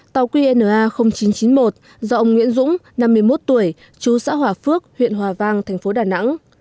tàu qna chín trăm chín mươi một do ông nguyễn dũng năm mươi một tuổi chú xã hòa phước huyện hòa vang thành phố đà nẵng